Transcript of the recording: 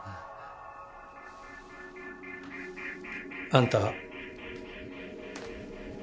あんた。